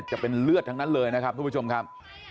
จะเป็นเลือดทั้งนั้นเลยนะครับทุกผู้ชมครับ